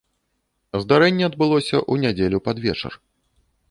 Здарэнне адбылося ў нядзелю пад вечар.